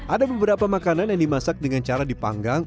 ada beberapa makanan yang dimasak dengan cara dipanggang